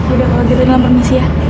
udah kalau gitu nilainya permisi ya